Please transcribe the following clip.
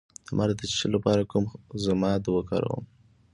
د مار د چیچلو لپاره کوم ضماد وکاروم؟